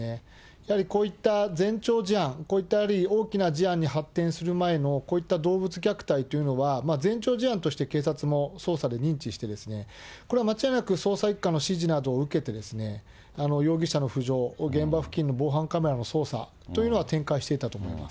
やはりこういった前兆事案、こういった大きな事案に発展する前のこういった動物虐待というのは、前兆事案として警察も捜査で認知してですね、これは間違いなく捜査１課の指示などを受けて、容疑者の浮上、現場付近の防犯カメラの捜査というのは展開していたと思います。